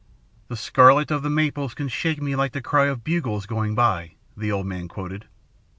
_" "'The scarlet of the maples can shake me like the cry of bugles going by,'" the old man quoted.